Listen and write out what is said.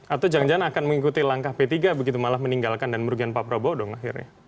atau jangan jangan akan mengikuti langkah p tiga begitu malah meninggalkan dan merugikan pak prabowo dong akhirnya